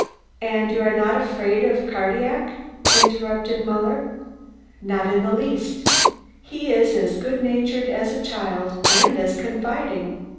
"And you are not afraid of Cardillac?" interrupted Muller. "Not in the least. He is as good natured as a child and as confiding.